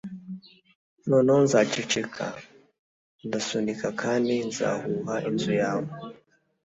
noneho nzaceceka, ndasunika kandi nzahuha inzu yawe